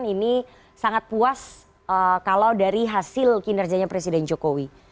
ini sangat puas kalau dari hasil kinerjanya presiden jokowi